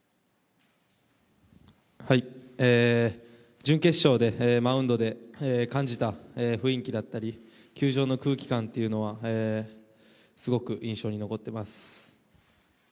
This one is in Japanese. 準決勝でマウンドで感じた雰囲気だったり、球場の空気感というのはすごく印象に残っています。